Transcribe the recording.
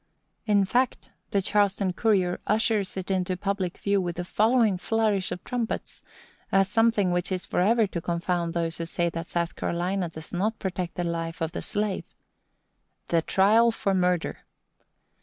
In fact, the Charleston Courier ushers it into public view with the following flourish of trumpets, as something which is forever to confound those who say that South Carolina does not protect the life of the slave: THE TRIAL FOR MURDER.